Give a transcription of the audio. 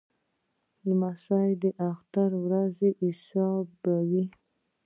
لمسی د اختر ورځې حسابوي.